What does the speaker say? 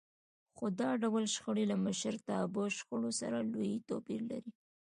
خو دا ډول شخړې له مشرتابه شخړو سره لوی توپير لري.